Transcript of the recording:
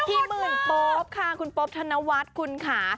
พี่หมื่นโป๊ปค่ะคุณโป๊บธนวัฒน์คุณค่ะ